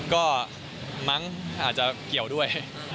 ก็มั้งอาจจะเกี่ยวด้วย